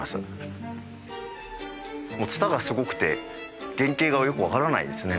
もうツタがすごくて原形がよくわからないですね。